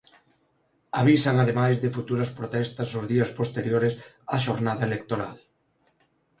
Avisan ademais de futuras protestas os días posteriores á xornada electoral.